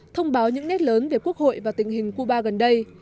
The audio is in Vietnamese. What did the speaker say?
thông báo những nét lớn về quốc hội và tình hình cuba gần đây